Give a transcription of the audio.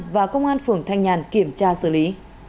và công an phường thanh nhàn kiểm tra xử lý